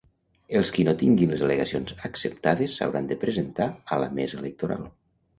Els qui no tinguin les al·legacions acceptades s'hauran de presentar a la mesa electoral.